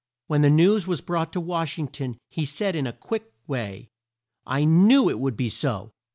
When the news was brought to Wash ing ton he said in a quick way, "I knew it would be so!